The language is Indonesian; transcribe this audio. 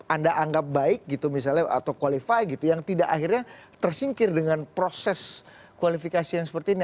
anda anggap baik gitu misalnya atau qualify gitu yang tidak akhirnya tersingkir dengan proses kualifikasi yang seperti ini